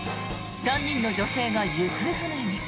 ３人の女性が行方不明に。